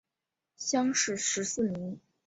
乡试十四名。